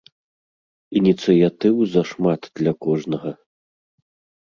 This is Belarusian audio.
Ініцыятыў зашмат для кожнага.